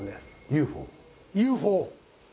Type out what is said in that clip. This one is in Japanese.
Ｕ．Ｆ．Ｏ？